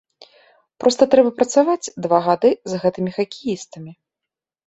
Проста трэба працаваць два гады з гэтымі хакеістамі.